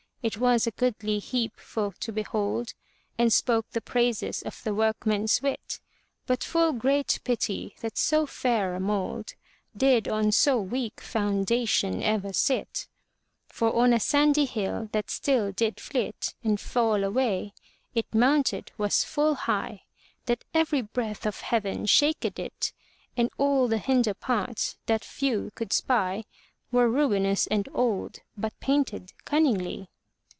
It was a goodly heap for to behold. And spoke the praises of the workman's wit; But full great pity that so fair a mould Did on so weak foundation ever sit; For on a sandy hill, that still did flit And fall away, it mounted was full high, That every breath of heaven shaked it. And all the hinder parts, that few could spy. Were ruinous and old, but painted cunningly.